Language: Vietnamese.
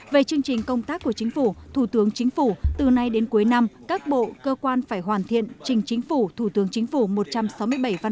về chương trình công tác của chính phủ thủ tướng chính phủ từ nay đến cuối năm các bộ cơ quan phải hoàn thiện trình chính phủ thủ tướng chính phủ